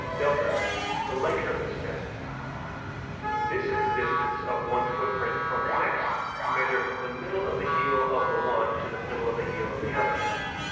| (8) The length of the step. _ This is the distance of one footprint from the next, measured from the middle of the heel of the one to the middle of the heel of the other.